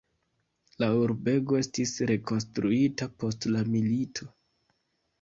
La urbego estis rekonstruita post la milito.